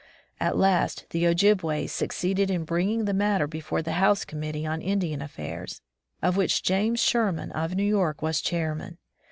At last the Ojibways succeeded in bringing the matter before the House conmiittee on Indian affairs, of which James Sherman of New York was chairman.